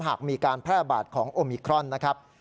หากมีการแพร่บาดของโอมิครอนนะครับ